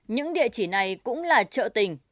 những địa chỉ này cũng là chợ tình